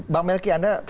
bang melki anda